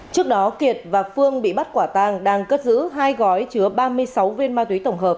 trước đó kiệt và phương bị bắt quả tang đang cất giữ hai gói chứa ba mươi sáu viên ma túy tổng hợp